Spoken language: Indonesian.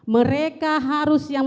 mereka harus yang menghormati